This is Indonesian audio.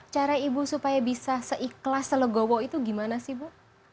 cara ibu supaya bisa seikhlas selegowo itu gimana sih bu